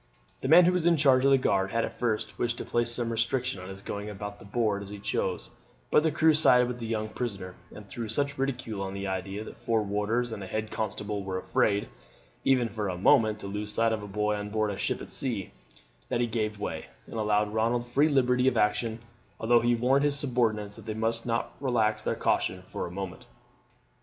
The man who was in charge of the guard had at first wished to place some restriction on his going about on board as he chose; but the crew sided with the young prisoner, and threw such ridicule on the idea that four warders and a head constable were afraid, even for a moment, to lose sight of a boy on board a ship at sea, that he gave way, and allowed Ronald free liberty of action, although he warned his subordinates that they must nor relax their caution for a moment.